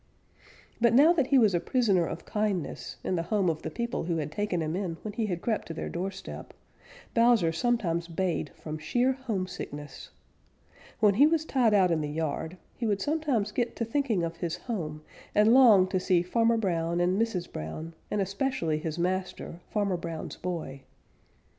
But now that he was a prisoner of kindness, in the home of the people who had taken him in when he had crept to their doorstep, Bowser sometimes bayed from sheer homesickness. When he was tied out in the yard, he would sometimes get to thinking of his home and long to see Farmer Brown and Mrs. Brown and especially his master, Farmer Brown's boy.